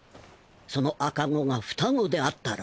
その赤子が双子であったら？